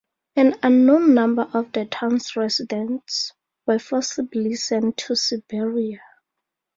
An unknown number of the town's residents were forcibly sent to Siberia.